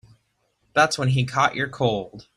That's when he caught your cold.